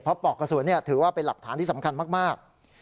เพราะปอกกระสุนถือว่าเป็นหลักฐานที่สำคัญมาก